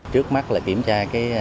trước mắt là kiểm tra